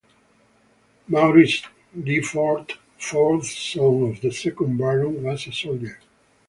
Maurice Gifford, fourth son of the second Baron, was a soldier.